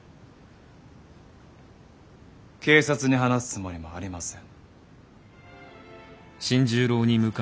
警察に話すつもりもありません。